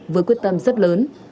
với quyết tâm rất lớn